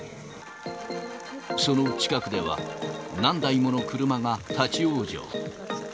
その近くでは、何台もの車が立往生。